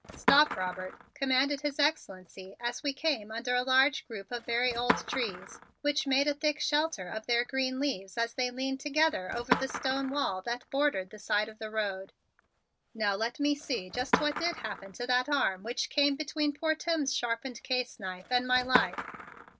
"Stop, Robert," commanded His Excellency as we came under a large group of very old trees which made a thick shelter of their green leaves as they leaned together over the stone wall that bordered the side of the road. "Now let me see just what did happen to that arm which came between poor Timms' sharpened case knife and my life.